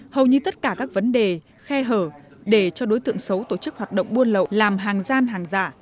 hầu như tất cả các vấn đề khe hở để cho đối tượng xấu tổ chức hoạt động buôn lậu làm hàng gian hàng giả